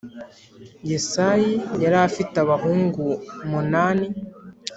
Yesayi yari afite abahungu munani .